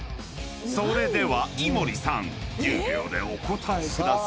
［それでは井森さん１０秒でお答えください］